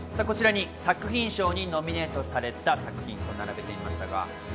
こちらに作品賞にノミネートされた作品、並べてみました。